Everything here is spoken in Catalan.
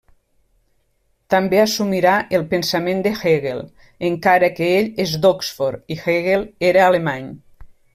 També assumirà el pensament de Hegel, encara que ell és d’Oxford, i Hegel era alemany.